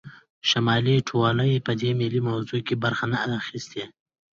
شمالي ټلوالې په دې ملي موضوع کې برخه نه ده اخیستې